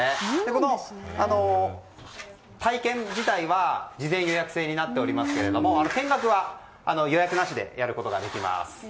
この体験自体は事前予約制になっておりますが見学は予約なしでやることができます。